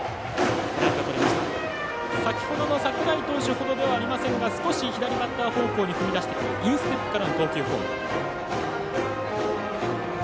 先ほどの櫻井投手ほどではありませんが少し左バッター方向に踏み出してくるインステップからの投球フォーム。